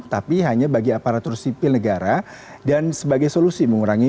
tapi hanya bagi aparatur sipil negara dan sebagai solusi mengurangi